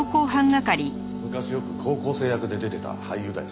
昔よく高校生役で出てた俳優だよ。